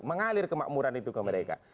mengalir kemakmuran itu ke mereka